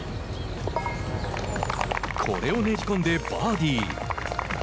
これをねじ込んでバーディー。